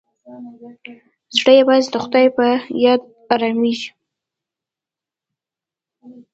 زړه یوازې د خدای په یاد ارامېږي.